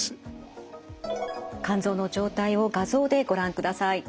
肝臓の状態を画像でご覧ください。